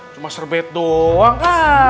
cuma sebet doang